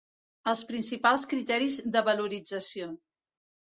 Els principals criteris de valorització.